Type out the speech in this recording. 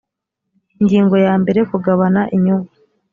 ingingo yambere kugabana inyungu